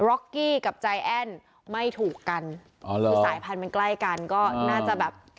็อกกี้กับใจแอ้นไม่ถูกกันอ๋อเหรอคือสายพันธุ์มันใกล้กันก็น่าจะแบบ